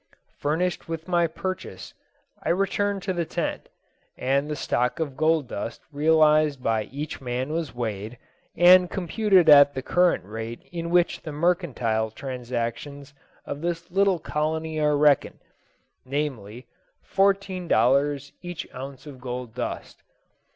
Furnished with my purchase, I returned to the tent, and the stock of gold dust realised by each man was weighed, and computed at the current rate in which the mercantile transactions of this little colony are reckoned namely, fourteen dollars each ounce of gold dust.